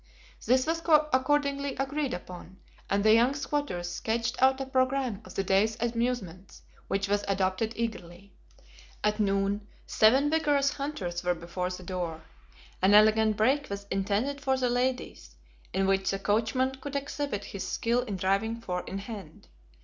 This was accordingly agreed upon, and the young squatters sketched out a programme of the day's amusements, which was adopted eagerly. At noon, seven vigorous hunters were before the door. An elegant brake was intended for the ladies, in which the coachman could exhibit his skill in driving four in hand.